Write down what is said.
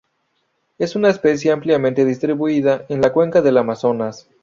Es una especie ampliamente distribuida en la cuenca del Amazonas.